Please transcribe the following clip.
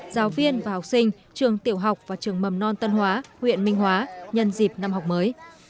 giáo viên và học sinh trường tiểu học và trường mầm non tân hóa huyện minh hóa nhân dịp năm học mới